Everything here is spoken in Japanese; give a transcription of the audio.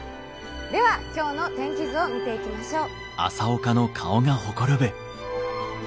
では今日の天気図を見ていきましょう。